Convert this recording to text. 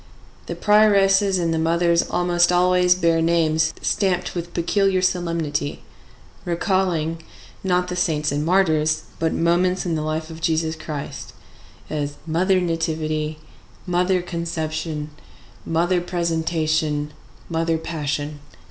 The prioresses and the mothers almost always bear names stamped with peculiar solemnity, recalling, not the saints and martyrs, but moments in the life of Jesus Christ: as Mother Nativity, Mother Conception, Mother Presentation, Mother Passion.